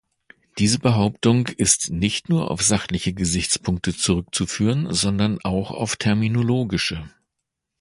Diese Behauptung ist nicht nur auf sachliche Gesichtspunkte zurückzuführen, sondern auch auf terminologische.